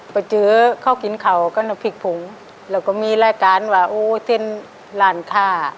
ไปเจอเขากินเขาก็น้ำพริกผงแล้วก็มีรายการว่าโอ้เต้นร้านท่า